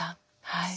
はい。